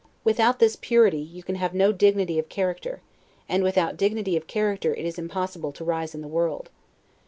Without this purity, you can have no dignity of character; and without dignity of character it is impossible to rise in the world.